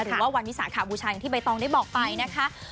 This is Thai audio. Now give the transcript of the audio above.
หรือว่าวันวิสาขบูชาอย่างที่ใบตองได้บอกไปนะคะ